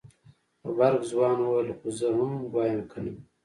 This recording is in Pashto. غبرګ ځوان وويل خو زه ام وايم کنه.